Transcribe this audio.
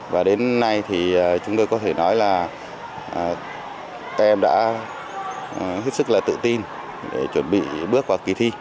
và đến nay thì chúng tôi có thể nói là các em đã rất là tự tin để chuẩn bị bước vào ký thi